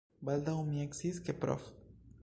Baldaŭ mi eksciis, ke Prof.